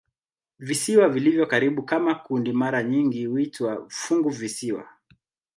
Visiwa vilivyo karibu kama kundi mara nyingi huitwa "funguvisiwa".